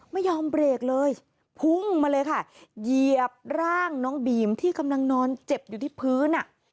ไม่ยอมเบรกเลยพุ่งมาเลยค่ะเหยียบร่างน้องบีมที่กำลังนอนเจ็บอยู่ที่พื้นอ่ะ